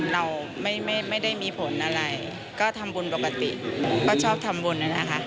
เราไม่ได้มีผลอะไรก็ทำบุญปกติก็ชอบทำบุญนะคะ